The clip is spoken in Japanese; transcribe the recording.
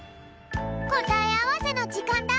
こたえあわせのじかんだ！